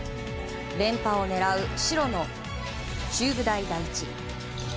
連覇を狙う白の中部大第一。